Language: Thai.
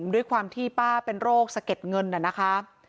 ด้วยความที่ป้าเป็นโรคสะเก็ดเงินน่ะนะคะ